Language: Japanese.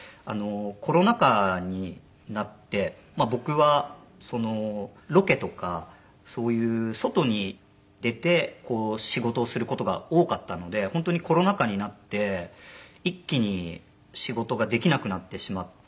コロナ禍になって僕はロケとかそういう外に出て仕事をする事が多かったので本当にコロナ禍になって一気に仕事ができなくなってしまって。